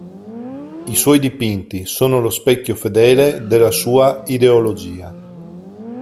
I suoi dipinti sono lo specchio fedele della sua ideologia.